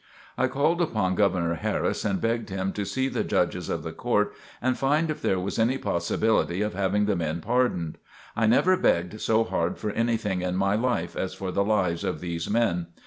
I called upon Governor Harris and begged him to see the judges of the Court and find if there was any possibility of having the men pardoned. I never begged so hard for anything in my life as for the lives of these men.